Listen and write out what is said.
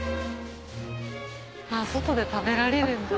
外で食べられるんだ。